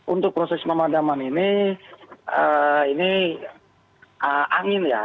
untuk proses pemadaman ini ini angin ya